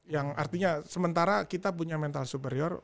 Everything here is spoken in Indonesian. yang artinya sementara kita punya mental superior